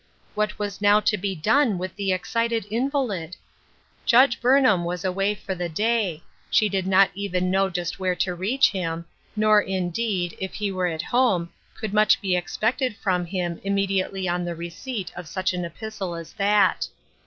What was now to be done with the ex cited invalid ? Judge Burnham was away for the day ; she did not even know just where to reach him, nor, indeed, if he were at home could much DAYS OF PRIVILEGE. 267 be expected from him immediately on the receipt of such an epistle as that.